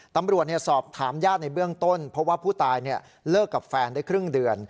ตำรวจสอบถามญาติในเบื้องต้นเพราะว่าผู้ตายเลิกกับแฟนได้ครึ่งเดือน